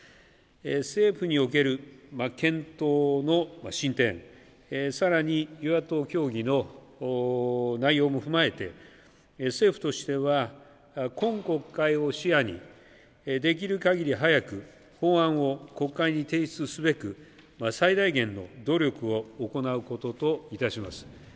政府における検討の進展、さらに、与野党協議の内容も踏まえて、政府としては、今国会を視野に、できるかぎり早く、法案を国会に提出すべく、最大限の努力を行うことといたします。